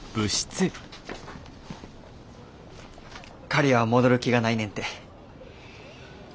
刈谷は戻る気がないねんて。